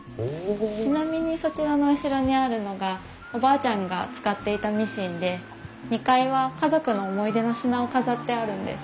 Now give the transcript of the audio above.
ちなみにそちらの後ろにあるのがおばあちゃんが使っていたミシンで２階は家族の思い出の品を飾ってあるんです。